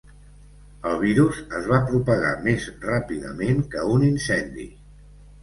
El virus es va propagar més ràpidament que un incendi.